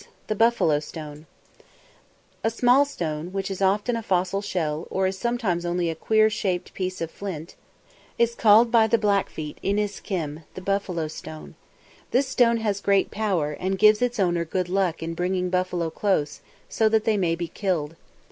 THE BUFFALO STONE A small stone, which is often a fossil shell, or sometimes only a queer shaped piece of flint, is called by the Blackfeet I n[)i]s´k[)i]m, the buffalo stone. This stone has great power, and gives its owner good luck in bringing the buffalo close, so that they may be killed.